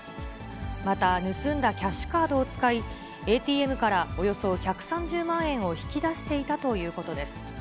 また、盗んだキャッシュカードを使い、ＡＴＭからおよそ１３０万円を引き出していたということです。